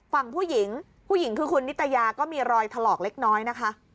ฝั่งผู้หญิงผู้หญิงคือคุณนิตยาก็มีรอยถลอกเล็กน้อยนะคะ